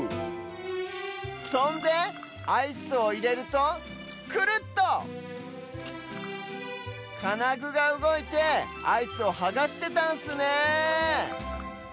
そんでアイスをいれるとクルッとかなぐがうごいてアイスをはがしてたんすね